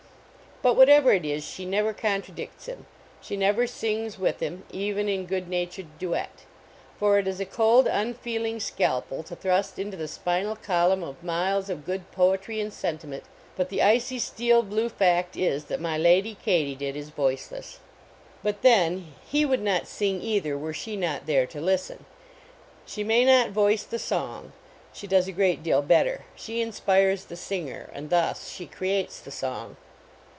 But whatever it is, she never contradicts him ; she never sings with him, even in good na tured duet. For it is a cold, unfeeling scal pel to thrust into the spinal column of miles of good poetry and sentiment, but the icy, steel blue fact is that my lady Katydid is voiceless. But then, he would not sing, either, were she not there to listen. She may not voice the song ; she does a great deal better; she inspires the singer, and thus she creates the song.